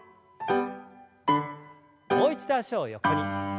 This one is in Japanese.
もう一度脚を横に。